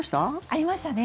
ありましたね。